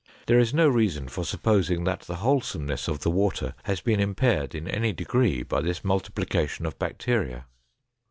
There is no reason for supposing that the wholesomeness of the water has been impaired in any degree by this multiplication of bacteria."